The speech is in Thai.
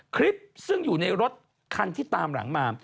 คลิปซึ่งอยู่ในรถคันที่ตามหลังมา